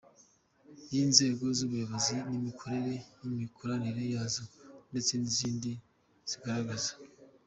y’inzego z’ubuyobozi n’imikorere n’imikoranire yazo, ndetse n’izindi zigaragaza